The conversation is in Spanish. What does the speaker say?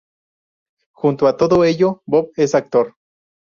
Junto a todo ello, Bob es actor.